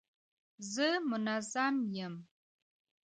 زه منظم یم.